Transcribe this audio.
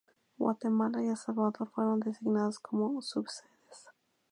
Guatemala y El Salvador fueron designadas como subsedes.